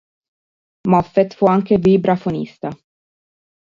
Moffett fu anche vibrafonista.